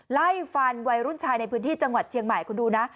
ไล่ฟันวัยรุ่นชายในพื้นที่จังหวัดเชียงใหม่คุณดูนะ